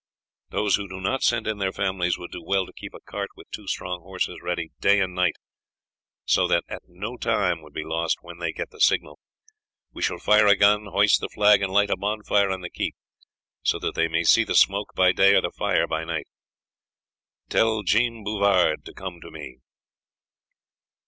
Those who do not send in their families would do well to keep a cart with two strong horses ready day and night, so that no time would be lost when they get the signal. We shall fire a gun, hoist the flag, and light a bonfire on the keep, so that they may see the smoke by day or the fire by night. Tell Jean Bouvard to come to me."